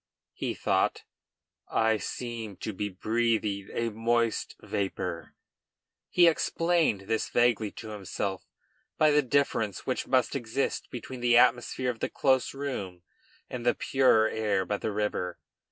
he thought; "I seem to be breathing a moist vapor." He explained this vaguely to himself by the difference which must exist between the atmosphere of the close room and the purer air by the river.